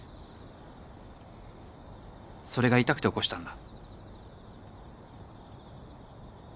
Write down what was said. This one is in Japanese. それが言いたくて起こしたんだ。